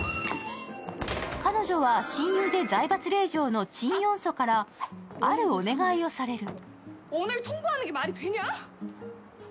彼女は親友で財閥令嬢のチン・ヨンソからあるお願いをされる。